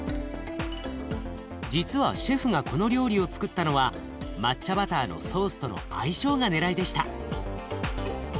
実はシェフがこの料理をつくったのは抹茶バターのソースとの相性がねらいでした。